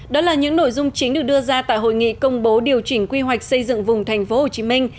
đó là những nội dung chính được đưa ra tại hội nghị công bố điều chỉnh quy hoạch xây dựng vùng thành phố hồ chí minh